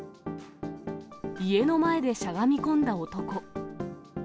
家の前でしゃがみ込んだ男。